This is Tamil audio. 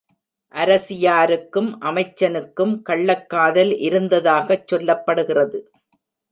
அரசியாருக்கும் அமைச்சனுக்கும் கள்ளக்காதல் இருந்ததாகச் சொல்லப்படுகிறது.